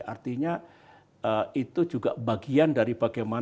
artinya itu juga bagian dari bahasa indonesia